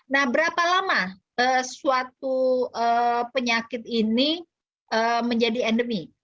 nah berapa lama suatu penyakit ini menjadi endemi